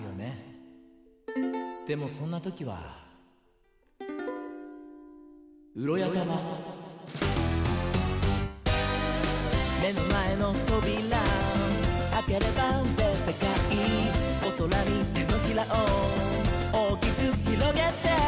「でもそんなときはウロヤタマ」「めのまえのトビラあければべっせかい」「おそらにてのひらをおおきくひろげて」